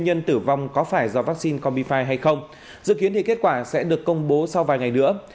nhân tử vong có phải do vaccine comifi hay không dự kiến thì kết quả sẽ được công bố sau vài ngày nữa